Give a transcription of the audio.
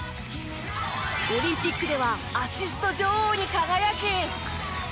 オリンピックではアシスト女王に輝き。